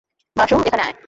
বাসু, এখানে আয়।